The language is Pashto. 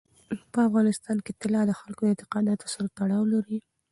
په افغانستان کې طلا د خلکو د اعتقاداتو سره تړاو لري.